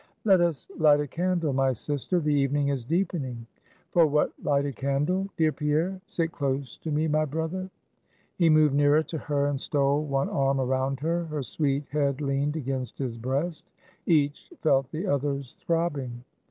"Let us light a candle, my sister; the evening is deepening." "For what light a candle, dear Pierre? Sit close to me, my brother." He moved nearer to her, and stole one arm around her; her sweet head leaned against his breast; each felt the other's throbbing.